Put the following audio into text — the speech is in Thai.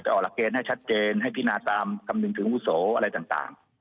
ออกหลักเกณฑ์ให้ชัดเจนให้พินาตามคำนึงถึงวุโสอะไรต่าง